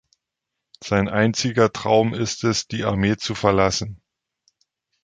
Sein einziger Traum ist es, die Armee zu verlassen.